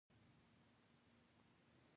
په دې معاینه کې د مکروبونو شکل او حرکت لیدلای شو.